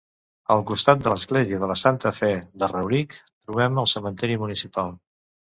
Al costat de l'església de la Santa Fe de Rauric, trobem el cementiri municipal.